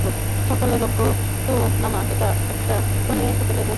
সকালে অজ্ঞাতনামা একটা ফোনে হোটেলে বোমা পুঁতে রাখার আতঙ্ক ছড়িয়ে দেওয়া হয়।